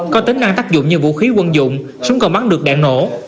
có tính năng tác dụng như vũ khí quân dụng súng cầu bắn được đạn nổ